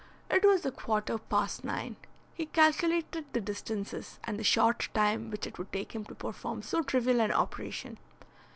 It was a quarter past nine. He calculated the distances, and the short time which it would take him to perform so trivial an operation.